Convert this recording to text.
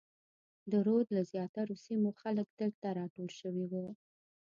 د رود له زیاترو سیمو خلک دلته راټول شوي وو.